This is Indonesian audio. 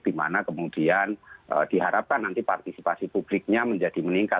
dimana kemudian diharapkan nanti partisipasi publiknya menjadi meningkat